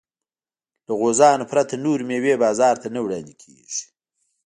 له غوزانو پرته نورې مېوې بازار ته نه وړاندې کېږي.